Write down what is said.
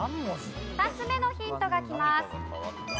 ２つ目のヒントがきます。